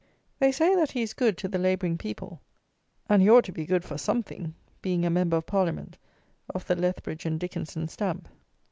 They say that he is good to the labouring people; and he ought to be good for something, being a member of Parliament of the Lethbridge and Dickenson stamp.